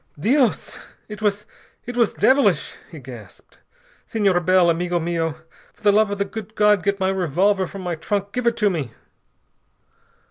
"Dios! It was it was devilish!" he gasped. "Senor Bell, amigo mio, for the love of the good God get my revolver from my trunk. Give it to me...."